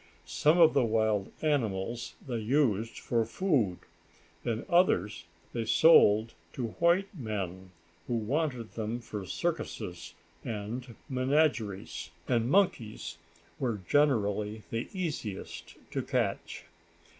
Some of the wild animals they used for food, and others they sold to white men who wanted them for circuses and menageries. And monkeys were generally the easiest to catch.